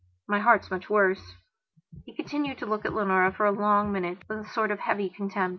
My heart's much worse." He continued to look at Leonora for a long minutewith a sort of heavy contempt.